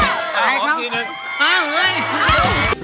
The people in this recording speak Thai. นั่นแหละโห